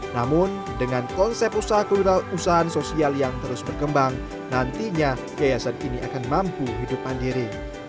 namun dengan konsep usaha kewirausahaan sosial yang terus berkembang nantinya yayasan ini akan mampu hidup mandiri